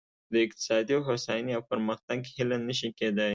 د اقتصادي هوساینې او پرمختګ هیله نه شي کېدای.